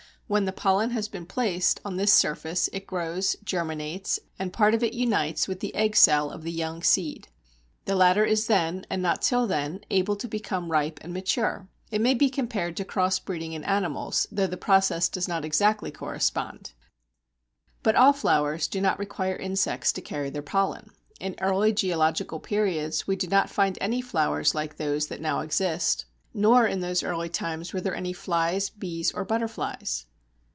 When the pollen has been placed on this surface it grows, germinates, and part of it unites with the egg cell of the young seed. The latter is then, and not till then, able to become ripe and mature. It may be compared to cross breeding in animals, though the process does not exactly correspond. But all flowers do not require insects to carry their pollen. In early geological periods we do not find any flowers like those that now exist, nor in those early times were there any flies, bees, or butterflies.